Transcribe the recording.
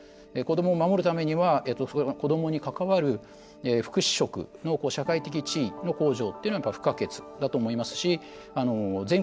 子どもを守るためには子どもにかかわる福祉職の社会的地位の向上が不可欠だと思いますし全国